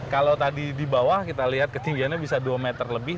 kalau tadi di bawah kita lihat ketinggiannya bisa dua meter lebih